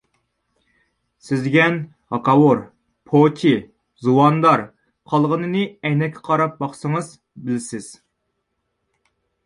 سىز دېگەن ھاكاۋۇر، پوچى، زۇۋاندار، قالغىنىنى ئەينەككە قاراپ باقسىڭىز بىلىسىز.